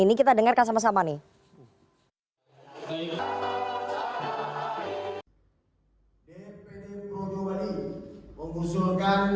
ini kita dengarkan sama sama nih mengusulkan